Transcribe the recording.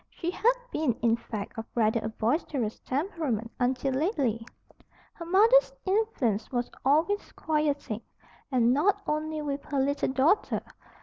She had been, in fact, of rather a boisterous temperament until lately. Her mother's influence was always quieting, and not only with her little daughter.